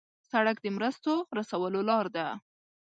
سړک د مرستو رسولو لار ده.